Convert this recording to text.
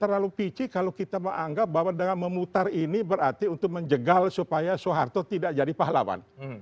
terlalu pici kalau kita menganggap bahwa dengan memutar ini berarti untuk menjegal supaya soeharto tidak jadi pahlawan